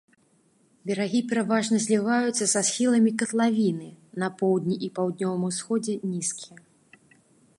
Берагі пераважна зліваюцца са схіламі катлавіны, на поўдні і паўднёвым усходзе нізкія.